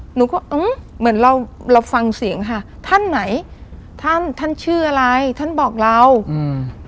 หนูก็อื้อเหมือนเราเราฟังเสียงค่ะท่านไหนท่านท่านชื่ออะไรท่านบอกเราอืม